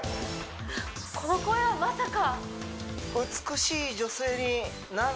この声はまさか！